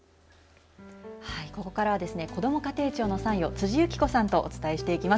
ここからはこども家庭庁の参与辻由起子さんとお伝えしていきます。